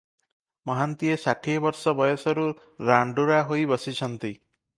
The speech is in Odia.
ମହାନ୍ତିଏ ଷାଠିଏ ବର୍ଷ ବୟସରୁ ରାଣ୍ଡୁରା ହୋଇ ବସିଛନ୍ତି ।